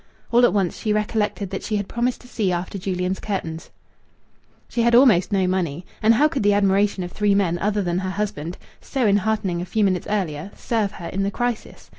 All at once she recollected that she had promised to see after Julian's curtains. She had almost no money. And how could the admiration of three men other than her husband (so enheartening a few minutes earlier) serve her in the crisis?